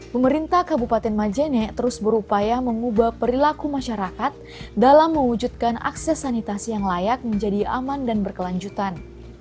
pemerintah kabupaten majene terus berupaya mengubah perilaku masyarakat dalam mewujudkan akses sanitasi yang layak menjadi aman dan berkelanjutan